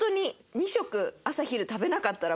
２食。